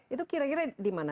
itu kira kira di mana